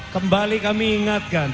kembali kami ingatkan